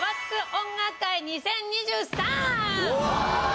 音楽会２０２３」！